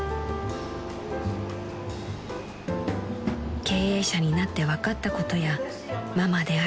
［経営者になって分かったことやママであることのしんどさ］